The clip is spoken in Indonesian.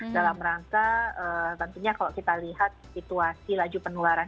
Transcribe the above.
dalam rangka tentunya kalau kita lihat situasi laju penularan